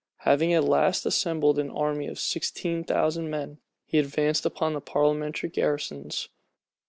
Having at last assembled an army of sixteen thousand men, he advanced upon the parliamentary garrisons.